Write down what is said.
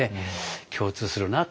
共通するなって。